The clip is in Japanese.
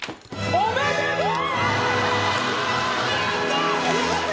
おめでとう！